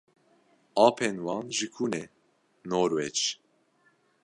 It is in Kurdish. Apên wan ji ku ne? "Norwêc."